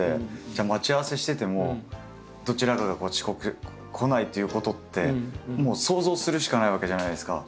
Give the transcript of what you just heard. じゃあ待ち合わせしててもどちらかが遅刻来ないっていうことってもう想像するしかないわけじゃないですか。